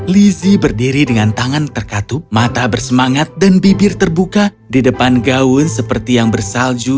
lizzie berdiri dengan tangan terkatup mata bersemangat dan bibir terbuka di depan gaun seperti yang bersalju